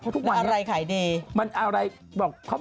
แล้วอะไรขายดี